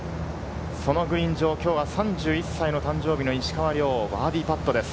そのグリーン上、今日は３１歳の誕生日の石川遼、バーディーパットです。